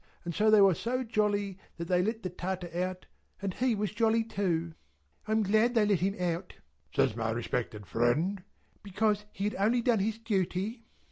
And so they were so jolly, that they let the Tartar out, and he was jolly too." "I am glad they let him out," says my respected friend, "because he had only done his duty."